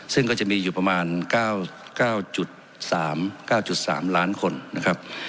ซึ่งก็จะมีอยู่ประมาณเก้าเก้าจุดสามเก้าจุดสามล้านคนนะครับ